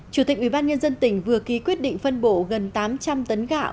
chủ tịch ủy ban nhân dân tỉnh vừa ký quyết định phân bổ gần tám trăm linh tấn gạo